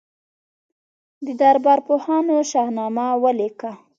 د دربار پوهانو شاهنامه ولیکله.